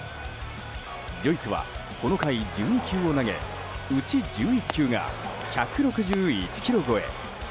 ジョイスは、この回１２球を投げうち１１球が１６１キロ超え。